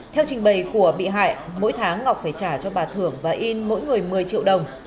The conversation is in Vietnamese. theo trình bày của bị hại mỗi tháng ngọc phải trả cho bà thưởng và in mỗi người một mươi triệu đồng